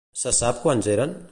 Se sap quants eren?